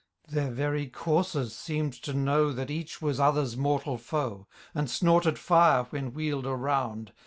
Their very coursers seem'd to know That each was other's mortal foe. And snorted fire, when wheel'd around.